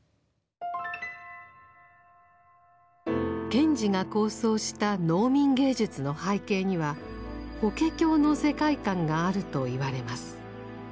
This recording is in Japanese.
賢治が構想した「農民芸術」の背景には法華経の世界観があるといわれます。